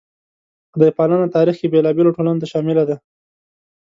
خدای پالنه تاریخ کې بېلابېلو ټولنو ته شامله ده.